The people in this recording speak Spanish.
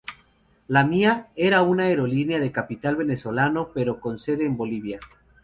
LaMia era una aerolínea de capital venezolano pero con sede en Bolivia.